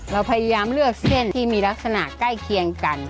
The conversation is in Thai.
เราพยายามเลือกเส้นที่มีลักษณะใกล้เคียงกัน